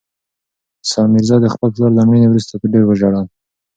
سام میرزا د خپل پلار له مړینې وروسته ډېر وژړل.